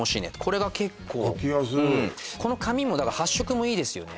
これが結構書きやすいこの紙もだから発色もいいですよね